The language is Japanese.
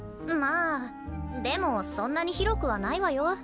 まあでもそんなに広くはないわよ。